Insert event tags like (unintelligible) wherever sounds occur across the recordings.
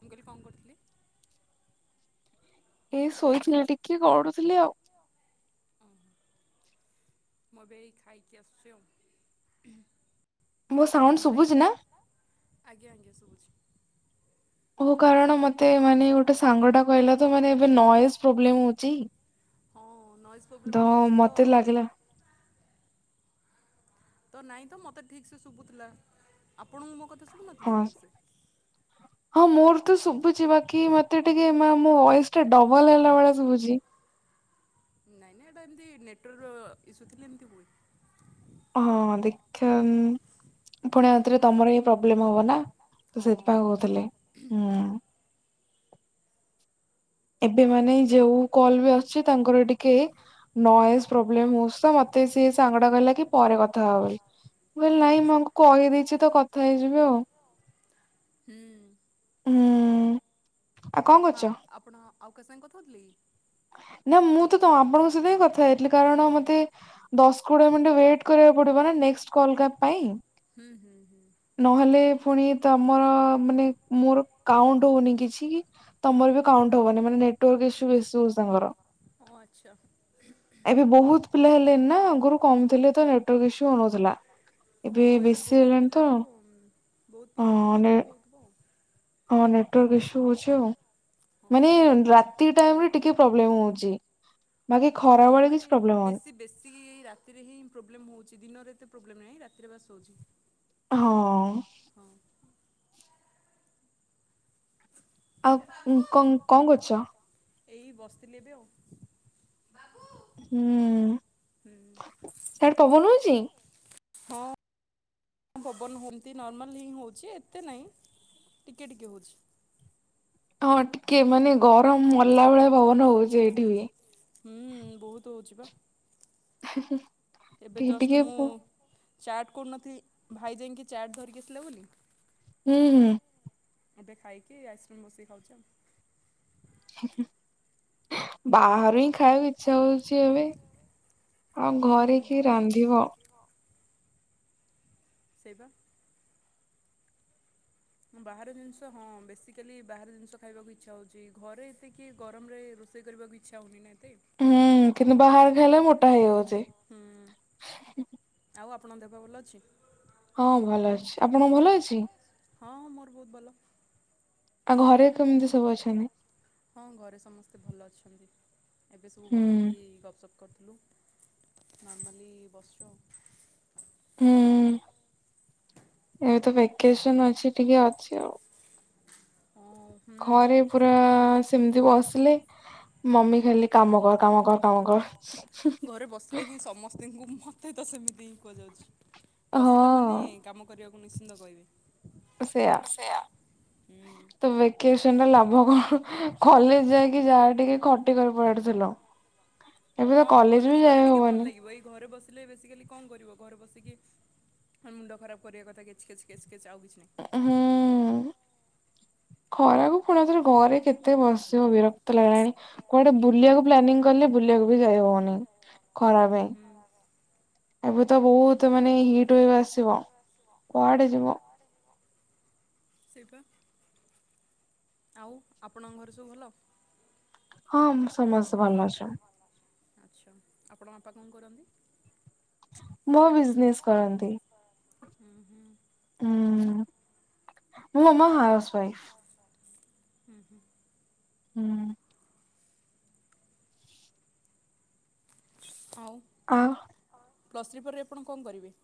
ମୁଁ କହିଲି କଣ କରୁଥିଲେ? ଏଇ ଶୋଇଥିଲେି ଟିକେ ଗଡୁଥିଲି ଆଉ। ହୁଁ ମୁଁ ଏବେ ଏଇ ଖାଇକି ଆସୁଛି ଆଉ। ମୋ ସାଉଣ୍ଡ ଭାଇ ଶୁଭୁଛି ନା? ଆଜ୍ଞା ଆଜ୍ଞା ଶୁଭୁଚି ତୁ କାରଣ ମତେ ମାନେ ଗୋଟେ ସାଙ୍ଗଟା କହିଲା ତ ମାନ ଏବେ ନଏଜ ପ୍ରୋବ୍ଲେମ ହଉଛି ହଁ ନଏଜ୍ ପ୍ରୋବ୍ଲେମ୍ ତ ହେଉଛି ମତେ ଲାଗିଲା। ତ ନାଇଁ ତ ମତେ ଠିକ ସେ ଶୁଭୁଥିଲା ଆପଣଙ୍କୁ ମୋ କ ହଁ ହଁ ମୋର ତ ଶୁଭୁଛି ବାକି ମତେ ଟିକେ ମୋ ଭଏସ୍ ଟା ଡବଲ ହେଲା ଭଳିଆ ଶୁଭୁଛି। ନାଇଁ ନାଇଁ ଏଇଟା ଏମତି ନେଟୱାର୍କ ଇସୁଥିଲେ ଏମିତି ହୁଏ। ହଁ ଦେଖ ପୁଣି ଆଉ ଥରେ ତମର ଏଇ ପ୍ରୋବ୍ଲେମ ହବ ନା ତ ହଁ। ସେଥିପାଇଁ କହୁଥିଲେ ହୁଁ। ଏବେ ମାନେ ଯୋଉ କଲ୍ ବି ଆସଛି ତାଙ୍କର ଟିକେ ନଏଜ ପ୍ରୋବ୍ଲେମ ହଉଛି ତ ମତେ ସିଏ ସାଙ୍ଗଟା କହିଲା କି ପରେ କଥା ହବୁ ବୋଲି ମୁଁ ହଁ କହିଲି ନାଇଁ ମୁଁ ଆଚ୍ଛା। ଆଙ୍କୁ କହିଦେଇଛି ତ କଥା ହେଇଯିବି ଆଉ ହୁଁ ହୁଁ। (unintelligible) ଆଉ କଣ ଆପଣ କରୁଛ? ଆପଣ ଆଉ କାହା ସାଙ୍ଗେ କଥା ହଉଥିଲେ କି? ନା ମୁଁ ତ ତ ଆପଣଙ୍କ ସହିତ ହିଁ କଥା ହେଇଥିଲି କାରଣ ମତେ ଦଶ କୋଡିଏ ମିନିଟ ୱେଟ୍ କରିବାକୁ ପଡିବ ନା ନେକ୍ସଟ୍ କଲ୍ ଟା ପାଇଁ ହୁଁ ହୁଁ ହୁଁ। ନହେଲେ ପୁଣି ତମର ମାନେ ମୋର କାଉଣ୍ଟ ହଉନି କିଛି। କାଉଣ୍ଟ ହବନି ମାନେ ନେଟୱାର୍କ ଇସ୍ୟୁ ବେଶୀ ହଉଚି ତାଙ୍କର ହଁ ଆଚ୍ଛା। ଏବେ ବହୁତ ପିଲା ହେଲେଣି ନାଁ ଆଗରୁ କମ ଥିଲେ ତ ନେଟୱାର୍କ ଇସ୍ୟୁ ହଉନଥିଲା ହଁ ଏବେ ବେଶୀ ବହୁତ ହେଲାଣି ତ ପିଲାକୁ ବହୁତ ଆ ପିଲାକୁ ଏମିତି ମାନେ ହେଉଥିବ ଆଉ। ହଁ ନେଟୱାର୍କ ଇସ୍ୟୁ ହଉଚି ଆଉ। ହଁ ମାନେ ରାତି ଟାଇମରେ ଟିକେ ପ୍ରୋବ୍ଲେମ ହଉଚି ବାକି ହଁ ଖରାବେଳେ ମାନେ କିଛି ପ୍ରୋବ୍ଲେମ୍ ହଉନି। ବେଶୀ ବେଶୀ ରାତିରେ ହିଁ ପ୍ରୋବ୍ଲେମ୍ ହେଉଛି ଦିନରେ ଏତେ ପ୍ରୋବ୍ଲେମ୍ ନାହିଁ ରାତିରେ ବାସ ହଉଛି। ହଁ। ଆଉ କନ୍ କଣ କରୁଛ? ଏଇ ବସିଥିଲେ ଏବେ ଆଉ। ହୁଁ ସାଡେ ପବନ ହଉଚି? ହଁ ପବନ ହେମନ୍ତି ନର୍ମାଲ ହିଁ ହଉଛି ଏତେ ନାହିଁ ଟିକେ ଟିକେ ହଉଛି। ହଁ ଟିକେ ମାନେ ଗରମ ମରିଲା ଭଳିଆ ପବନ ହଉଛି ଏଇଠି ବି। ହୁଁ ବହୁତ ହଉଛି ପା। (unintelligible) ଏବେ ଟିକେ ଜଷ୍ଟ ଟିକେ ମୁଁ ହୁଁ ଚାଟ୍ କରୁନଥିଲି ଭାଇ ଯାଇକି ଚାଟ୍ ଧରିକି ଆସିଲା ବୋଲି ହୁଁ ହୁଁ ଏବେ ଖାଇକି ଆଇସ୍କ୍ରିମ୍ ବସିକି ଖାଉଛି ଆଉ। ହଁ ବାହାରୁ ହିଁ ଖାଇବାକୁ ଇଚ୍ଛା ହଉଛି ଏବେ ଆଉ ହୁଁ ଘରେ କିଏ ରାନ୍ଧିବ। ସେଇବା ବାହାର ଜିନିଷ ହଁ ବେସିକାଲି ବାହାର ଜିନିଷ ଖାଇବାକୁ ଇଚ୍ଛା ହଉଛି ଘରେ ଏତେ କିଏ ଗରମ ରେ ରୋଷେଇ କରିବାକୁ ଇଚ୍ଛା ହଉନି ନା ଏତେ ହୁଁ କିନ୍ତୁ ବାହାର ଖାଇଲେ ମୋଟା ହୁଁ ହେଇଯାଉଛି। ଆଉ ଆପଣଙ୍କ ଦେହ ପା ଭଲ ଅଛି। ହଁ ଭଲ ଅଛି ଆପଣଙ୍କ ଭଲ ଅଛି। ହଁ ମୋର ବହୁତ ଭଲ। ଆଉ ଘରେ କେମିତି ସବୁ ଅଛନ୍ତି? ଛନ୍ତି। ଏବେ ସବୁ ହୁଁ ବସିକି ଗପ୍ ସପ୍ କରୁ ଲୁ ନର୍ମାଲି ବସଛୁ ଆଉ ହୁଁଉଉ, ଏବେ ତ ଭେକେସନ୍ ଅଛି ଟିକେ ଅଛି ଆଉ। ହଁ ହୁଁ ଘରେ ପୁରାଆଆ ସେମିତି ବସିଲେ ମମି ଖାଲି କାମ କର୍ କାମ କର୍ କାମ କର୍ ହୁଁହୁଁହୁଁ ହୁଁ ତୁ ତ ସେମିତ୍ (inaudible) କୁହାଯାଉଛି ବସିଲା ମାନେ ହଁ କାମ କରିବାକୁ ନିଶ୍ଚିନ୍ତ କହିବେ ସେୟା। ହୁଁ ତ ଭେକେସନରେ ଲାଭ କଣ କଲେଜ ଯାଇକି ଯାହା ଟିକେ ଖଟି କରିପାରୁଥିଲ। ହଁ କଲେଜ ଗଲେ ଟିକେ ଭଲ ଲାଗିବ ଏଇ ଘରେ ବସିଲେ ବେସିକାଲି କଣ କରିବ ଘରେ ବସିକି ମୁଣ୍ଡ ଖରାପ କରିବା କଥା କେଛ୍ କେଛ୍ କେଛ୍। କେଛ୍ ଆଉ କିଛି ହୁଁ। ନାହିଁ। ଖରାକୁ ପୁଣି ଆଉ ଥରେ ଘରେ କେତ୍ କେତେ ବସିବ ବିରକ୍ତ ଲାଗିଲାଣି କୁଆଡ଼େ ବୁଲିବାକୁ ପ୍ଲାନିଂ କଲେ ବୁଲିବାକୁ ବି ଯାଇ ହବନି ଖରା ହୁଁ ପାଇଁ। ତ ବହୁତ୍ ମାନେ ହିଟ୍ ୱେଭ୍ ଆସିବ, କୁଆଡ଼େ ଯିବ। ସେଇ ପା। ଆଉ ଆପଣଙ୍କ ଘରେ ସବୁ ଭଲ? ହଁ ମୁଁ ସମସ୍ତେ ଭଲ ଅଛନ୍। ଆଚ୍ଛା ଆପଣଙ୍କ ବାପା କଣ କରନ୍ତି? ମୋ ବିଜନେସ୍ କରନ୍ତି। ହୁଁ ହୁଁ। ମମି? ହୁଁ ମୋ ମାମା ହାଉସୱାଇଫ୍। ହୁଁ ହୁଁ। ହୁଁ। ହଉ। ଆଉ ପ୍ଲସ୍ ଥ୍ରୀ ପରେ ଆପଣ କଣ କରିବେ?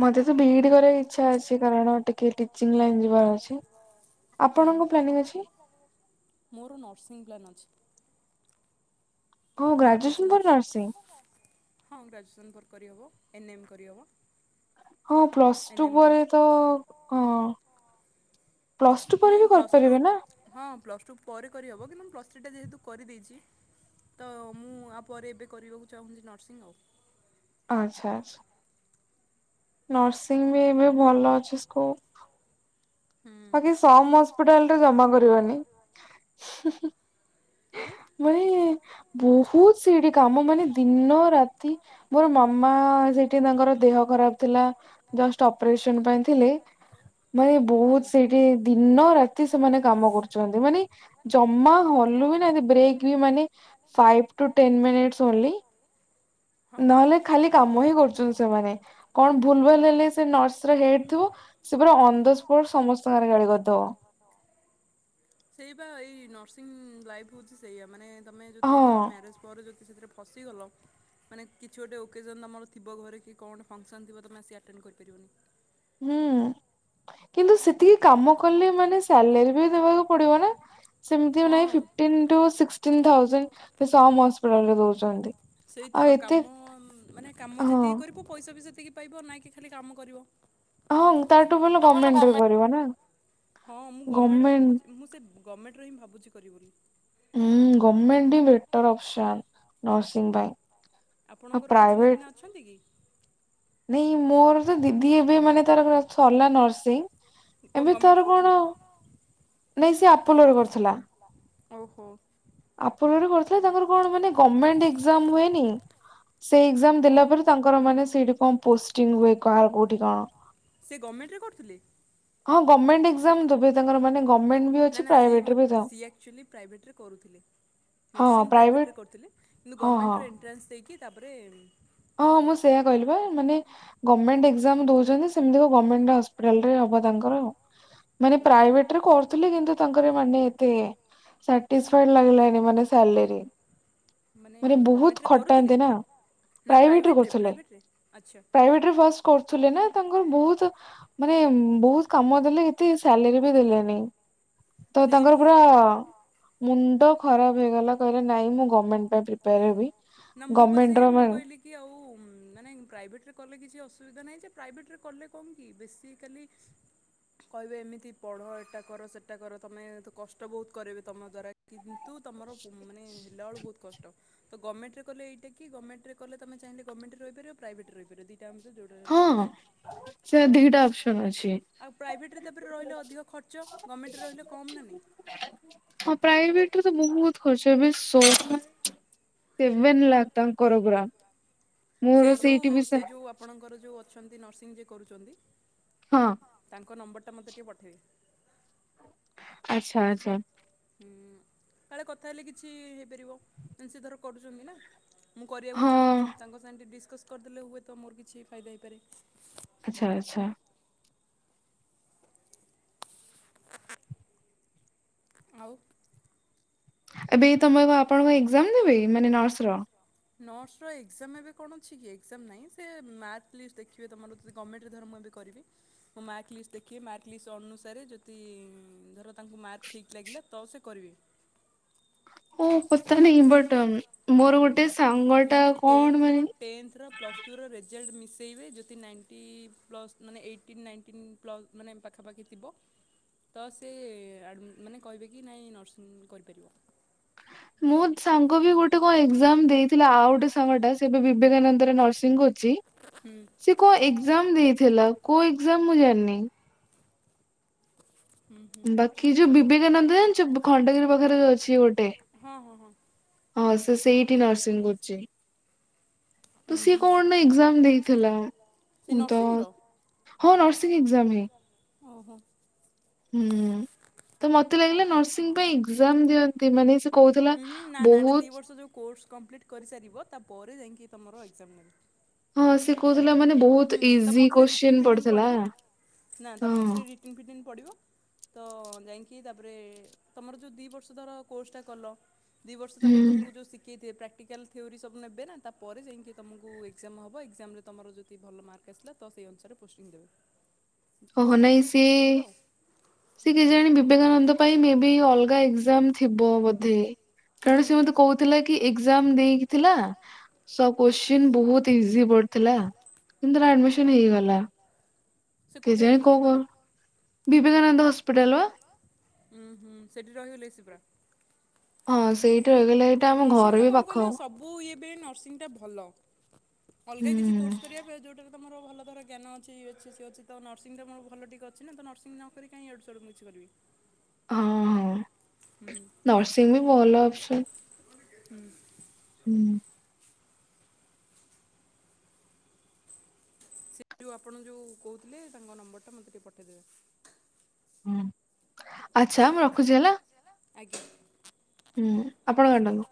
ମତେ ତ ବି ଇ ଡି କରିବାକୁ ଇଚ୍ଛା ଅଛି କାରଣ ଟିକେ ଟିଚିଙ୍ଗ୍ ଲାଇନ୍ ଯିବାର ଅଛି ହୁଁ ଆପଣଙ୍କ ପ୍ଲାନିଙ୍ଗ୍ ଅଛି? ମୋର ନର୍ସିଂ ପ୍ଲାନ୍ ଅଛି। ହଁ ମୁଁ ଗ୍ରାଜୁଏସନ ଭାବିଛି ପରେ ନର୍ସ ନର୍ସିଂ ହଁ ଗ୍ରାଜୁଏସନ୍ ପରେ। କରିହବ ଏନ୍ ଏମ୍ କରିହେବ। ହଁ plus N two M course ପରେ ତ ଅଁଅ ପ୍ଲସ୍ ଟୁ ପରେ ନାଇଁ ବି ପ୍ଲସ୍ ଟୁ କରିପାରିବେ ନା? ହଁ ପ୍ଲସ୍ ଟୁ ପରେ କରିହେବ କିନ୍ତୁ ମୁଁ ପ୍ଲସ୍ ଥ୍ରୀଟା ଯେହେତୁ କରିଦେଇଛି, ତ ମୁଁ ଆ ପରେ ଏବେ କରିବାକୁ ଚାହୁଁଛି ନର୍ସିଙ୍ଗ୍ ଆଉ ଆଚ୍ଛା ଆଛ୍ ନର୍ସିଙ୍ଗ୍ ବି ଏବେ ଭଲ ଅଛି ସ୍କୋପ୍। ହୁଁ ବାକି ସମ ହସ୍ପିଟାଲରେ ଜମା କରିବାନି ହୁଁହୁଁ ହୁଁ। ନାଇଁ (inaudible) ମାନେ ବହୁତ୍ ସେଇଠି କାମ ମାନେ ଦିନ ରାତି ମୋର ମାମା ସେଠି ତାଙ୍କର ଦେହ ଖରାପ ଥିଲା ଜଷ୍ଟ୍ ଅପରେସନ ପାଇଁ ଥିଲେ, ମାନେ ବହୁତ ସେଇଠି ଦିନ ରାତି ସେମାନେ କାମ କରୁଛନ୍ତି ମାନେ ଜମା ହଲ୍ ନଲେ ହଁ ଖାଲି କ ହ କରୁମାନେଣ ଲାଇଭ୍ ହଉଛି ସେଇଆ ମାନେ ତମେ ଯଦି ହଁ ଧର ମ୍ୟାରେଜ ପରେ ଯଦ ସେଥିରେ ଫସିଗଲ ମାନେ କିଛି ଗୋଟେ ଓକେଜନ ତୁମର ଥିବ ଘରେ କି କଣ ଗୋଟେ ଫଙ୍କସନ୍ ଥିବ ତୁମେ ସେଏ ଆଟେଣ୍ଡ କରିପାରିବନି ହୁଁ କିନ୍ତୁ ସେ ଏତିି କାମ କଲେ ମାନେ ସାଲେରୀ ବି ଦେବାକୁ ପଡିବ ନା ସେମିାଇ ହଁ ହିା ଦଉଛନ୍ତି ସେଇ ତ ଆଉ ଏତେ କାମ ହଁ ଖାଇବ ନାହିଁ କି ଖାଲି କାମ କରିବ? ହଁ ତାଠୁ ଭଲ ଗମେଣ୍ଟ ରେ କରିବ ନା? ହଁ ମୁଁ ଗମେଣ୍ଟ ଭାବୁଛି ମୁଁ ସେ ଗମେଣ୍ଟରେ ହିଁ ଭାବୁଛି କରିବି ବୋଲି ଉଁ ଗମେଣ୍ଟ୍ ହିଁ ବେଟର୍ ଅପସନ୍ ନର୍ସିଂ ପାଇଁ ଆଉ ଆପଣଙ୍କର କି ଚିହ୍ନା ଫିନା ଅଛନ୍ତି କି? ନେଇ ମୋର ତ ଦିଦି ଏବେ ମାନେ ତାର ପୁରା ସରିଲା ନର୍ସିଂ କଣ ଏବେ ଗଭର୍ଣ୍ଣମେଣ୍ଟରେ ତାର କରୁଥିଲେ? କଣ ନାଇ ସେ ଆପୋଲୋ ରେ କରିଥିଲା। ଓହୋ ଆପୋଲୋ ରେ କରିଥିଲେ ତାଙ୍କର କଣ ମାନେ ଗମେଣ୍ଟ୍ ଏକ୍ଜାମ୍ ହୁଏନି ସେଇ ଏକ୍ଜାମ୍ ହଁ। ଦେଲାପରେ ତାଙ୍କର ମାନେ ସେଇଠି କଣ ପୋଷ୍ଟିଙ୍ଗ୍ ହୁଏ। କାହାର କୋଉଠି କଣ? ଥିଲେ ହଁ ଗଭର୍ଣ୍ଣମେଣ୍ଟ ଏକ୍ଜାମ ଦେବେ ତାଙ୍କର ମାନେ ଗଭର୍ଣ୍ଣମେଣ୍ଟ ବି ନା ଅଛି ନା ସିଏ ପ୍ରାଇଭେଟ ମ ରେ ବି ଥାଉ। ସିଏ ଆକ୍ଚୁଆଲି ପ୍ରାଇଭେଟ୍ ରେ କରୁଥିଲେ ହଁ ନର୍ସିଂ ପ୍ରାଇଭେଟ୍ ପ୍ରାଇଭେଟ ରେ କରୁଥିଲେ କିନ୍ତୁ ଗମେଣ୍ଟ୍ ରେ ଏନ୍ଟ୍ରାନ୍ସ ଦେଇକି ତାପରେ ହଁଁ ମୁଁ ସେଇୟା କହିଲି ବା ମାନେ ଗମ୍ (unintelligible) ଏକ୍ଜାମ୍ ଦଉଛନ୍ତି ସେମିତି ଗୋଟେ ଗମେଣ୍ଟ୍ ହସ୍ପିଟାଲରେ ହବ ତାଙ୍କର ମାନେ ଓହୋ ପ୍ରାଇଭେଟ୍ ରେ କରୁଥିଲେ କିନ୍ତୁ ତାଙ୍କର ମାନେ ଏତେ ସାଟିସ୍ଫାଏଡ୍ ଲାଗିଲାନି ମାନେ ସାଲେରି ମାନେ ବହୁତ୍ ଗଭର୍ଣ୍ଣମେଣ୍ଟରେ କରୁଥିଲେ? ଖଟାନ୍ତି ନା ନା ପ୍ରାଇଭେଟରେ ପ୍ରାଇଭେଟରେ ଆଛା। ପ୍ରାଇଭେଟରେ କରୁଥିଲେ ନା ତାଙ୍କର ବହୁତ ମାନେ ବହୁତ କାମ ଦେଲେ ଏତେ ସାଲେରୀ ବି ଦେଲେନି ତ ସେଇ ତାଙ୍କର ମୁଁ ପୁରା ମୁଣ୍ଡ ଖରାପ ହେଇଗଲା କହିଲେ ନାଇଁ ମୁଁ ଗମେଣ୍ଟ ପାଇଁ ପ୍ରିପେୟାର ହେବି ନା ମୁଁ ପା ସେଇଆ ଗମେଣ୍ଟରେ ମୁଁ କହିଲି କି ଆଉ ମାନେ ପ୍ରାଇଭେଟରେ କଲେ କିଛି ଅସୁବିଧା ନାହିଁ ଯେ ପ୍ରାଇଭେଟ୍ ରେ କଲେ କଣ କି ବେସିକାଲି କହିବେ ଏମିତି ପଢ଼ ଏଟା କର ସେଟା କର ତମେ ତ କଷ୍ଟ ବହୁତ କରେଇବେ ତୁମ ଦ୍ୱାରା କିହି ତୁ ତମର ମାନେ ହେଲାବେଳୁ ବହୁତ କଷ୍ଟ ତ ଗଭଣ୍ମେଣ୍ଟରେଲେ ଏଇା ଗଭଣ୍ମେଣ୍ରେଲେ ତମେ ଚାଁଲେ ଗଭଣ୍ମେଣ୍ରେ ରହିପିବ ପ୍ରାଇଭେଟରେ ରିବ ପ୍ରଦିପ୍ (unintelligible) ଯୋଉଠି ରହିଲେ ହଁ ରହିଯିବ ସେ ଦିଟା ଅପସନ ଅଛି। ଆଉ ପ୍ରାଇଭେଟ୍ ରେ ତାପରେ ରହିଲେ ଅଧିକ ଖର୍ଚ୍ଚ ଗମେଣ୍ଟରେ ରହିଲେ କମ୍ ନା ନାଇଁ ତେବିଶ୍ (unintelligible) ସେବେନ୍ ଲାଗ ତାଙ୍କର ଗ୍ରାମ୍ ସେଇ ଯୋଉ ସେଇ ଯୋଉ ଆପଣଙ୍କର ଯୋଉ ଅଛନ୍ତି ନର୍ସିଂ ଯେ କରୁଛନ୍ତି ହଁ ତାଙ୍କ ନମ୍ବରଟା ମୋତେ ଟିକେ ପଠେଇବ ଆଛା ଆଛା ହୁଁ କାଳେ କଥା ହେଲେ କିଛି ହେଇପାରିବ ସେ ଧର କରୁଛନ୍ତି ନା ମୁଁ କରିବାକୁ ହଁ ଚାହୁଁଛି ତାଙ୍କ ସାଙ୍ଗେ ଡିସକସ୍ କରିଦେଲେ ହୁଏ ତ ମୋର କିଛି ଫାଇଦା ହେଇପାରେ ଆଛା ଆଛା ଆଉ ଏବେ ଏଇ ତମେପା ଆପଣ କଣ ଏକ୍ଜାମ ଦେବେ ମାନେ ନର୍ସ ର ନର୍ସର ଏକ୍ଜାମ ଏବେ କଣ ଅଛି କି ଏକ୍ଜାମ ନାହିଁ ସେ ମାର୍କ ଲିଷ୍ଟ ଦେଖିବେ ତମର ଯଦି ଗଭର୍ଣ୍ଣମେଣ୍ଟରେ ଧର ମୁଁ ଏବେ କରିବି ମୋ ମାର୍କ ଲିଷ୍ଟ ଦେଖିବେ ମାର୍କ ଲିଷ୍ଟ ଅନୁସାରେ ଯଦି ଧର ତାଙ୍କୁ ମାର୍କ ଠିକ ଲାଗିଲା ତ ସେ କରିବେ ହ ପତା ନାଇଁ ବଟ ମୋର ଗୋଟେ ଗୋଟେ ସାଙ୍ଗ ଟା ମାନେ କଣ ଟେନ୍ଥର ମାନେ ଟେନ୍ଥର ପ୍ଲସ୍ ଟୁର ରେଜଲ୍ଟ ମିଶେଇବେ ଯଦି ନାଇଣ୍ଟି ପ୍ଲସ୍ ମାନେ ଏଇଟିନ୍ ନାଇଣ୍ଟିନ୍ ପ୍ଲସ୍ ମାନେ ପାଖାପାଖି ଥିବ ତ ସେ ମାନେ କହିବେ କି ନାଇଁ ନର୍ସିଂ କରିପାରିବ ମୁଁ ସାଙ୍ଗ ବି ଗୋଟେ କଣ ଏକ୍ଜାମ ଏକ୍ଜାମ ଦେଇଥିଲା ଆଉ ଗୋଟେ ସାଙ୍ଗଟା ସେ ଏବେ ବିବେକାନନ୍ଦରେ ନର୍ସିଂ କରୁଛି ହୁଁ। ସେ କଣ ଏକ୍ଜାମ ଦେଇଥିଲା କଉ ଏକ୍ଜାମ ମୁଁ ଜାଣିନି ହୁଁ ହୁଁ ବାକି ଯୋଉ ବିବେକାନନ୍ଦ ଜାଣିଚୁ ଯୋଉ ଖଣ୍ଡଗିରି ପାଖରେ ଯୋଉ ଅଛି ଗୋଟେ ହଁ ହଁ ହଁ ହଁ ସେ ସେଇଠି ନର୍ସିଂ କରୁଛି। ତ ଉଁ ସିଏ ହୁଁ କଣ ନା ଏକ୍ଜାମ ଦେଇଥିଲା ସେ ତ ନର୍ସିଂର ହଁ ନର୍ସିଂ ଏକ୍ଜାମ ହେ ଓହୋ ହୁଁ ତ ମତେ ଲାଗିଲା ନର୍ସିଂ ପାଇଁ ଏକ୍ଜାମ ଦିଅନ୍ତି ମାନେ ସେ କହୁଥିଲା ଉଁ ହୁଁ ନା ନା ଏଇଟା ଦୁଇ ବହୁତ। ବର୍ଷ ଯେଉଁ ତମର ଏକ୍ଜାମ ନାହିଁ। ହଁ ସେ ସରି କହୁଥିଲା ମାନେ ବହୁତ ହୁଁ ତା ଇଜି ମଝିରେ ରିଟିନ କୋଶ୍ଚିନ୍ ଫିଟିନ ପଡିଥିଲା ପଡିବ ନା ତା ହଁ ମଝିରେ ରିଟିନ ଫିଟିନ ପଡିବ ତ ଯାଇକି ତାପରେ ତମର ଯୋଉ ଦି ବର୍ଷ ଧର କୋର୍ସ ଟା କଲ ଦିଇ ବର୍ଷ ତା ହୁଁ ପରେ ତମକୁ ଯୋ ଶିଖେଇ ଥିଲେ ପ୍ରାକ୍ ଟି କାଲ ଥିଓରୀ ସବୁ ନେବେ ନା ତାପ ପରେ ଯାଇକି ତମକୁ ଏକଜାମ ହବ ଏକଜାମରେ ତମର ଯଦି ଭଲ ମାର୍କ ଆସିଲା ତ ସେଇ ଅନୁସାରେ ପୋଷ୍ଟିଂ ଦେବ। ହଁ ହଁ ନାଇଁ ସିଏ ସେ କେ ଜାଣି ବିବେକାନନ୍ଦ ପାଇଁ ମେ ବି ଅଲଗା ଏକଜାମ ଥିବ ବୋଧେ। ହୁଁ। କାରଣ ସେ ମତେ କହୁଥିଲା କି ଏକଜାମ ଦେଇକିଥିଲା ସ କୋଶ୍ଚିନ ବହୁତ ଇଜି ପଡିଥିଲା କିନ୍ତୁ ତାର ଆଡମିସନ ହେଇଗଲା। ସେ କୋଉଠି କେଜାଣି କ ଆଡ଼ମିସନ୍ କଲେ? କଣ ବିବେକ ବିଵେକାନନ୍ଦ ହସ୍ପିଟାଲ ବା ଉୁଁ ହୁଁ ସେଠି ରହିଗଲେ ସେ ପୁରା ହଁ ସେଇଟା ରହିଗଲେ ଏଇଟା ଆମ ଘର ବି ପାଖ ଏବେ ନର୍ସିଂଟା ଭଲ ହୁଁ ଅଲଗା କିଛି କୋର୍ସ କରିବା ଅପେକ୍ଷା ଯୋଉଟା ତ ମୋର ଭଲ ଧର ଜ୍ଞାନ ଅଛି ଅଛି ସ ସେ ଅଛି ତ ନର୍ସିଂ ତ ମୋର ଭଲ ଟିକେ ଅଛି ନା ତ ନର୍ସିଂ ନ କରି କାହିଁ ଇଆଡ଼ୁ ସିସାଡ଼ୁ କିଛି କରିବି ହଁ ହଁ ହୁଁ ନର୍ସିଂ ବି ଭଲ ଅପସନ୍ ହୁଁ ହୁଁ ସେ ଯେଉଁ ଆପଣ ଯେଉଁ କହୁଥିଲେ ତାଙ୍କ ନମ୍ବରଟା ମୋତେ ଟିକେ ପଠେଇଦେବେ ହୁଁ ଆଛା ମୁଁ ରଖୁଛି ହେଲା ଆଜ୍ଞା ହୁଁ ଆପଣ କାଟନ୍ତୁ।